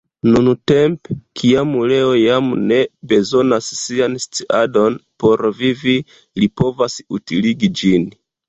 Nuntempe, kiam Leo jam ne bezonas sian sciadon por vivi, li povas utiligi ĝin.